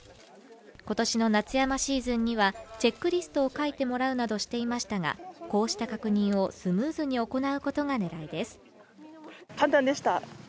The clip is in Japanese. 今年の夏山シーズンにはチェックリストを書いてもらうなどしていましたがこうした確認をスムーズに行うことが狙いです。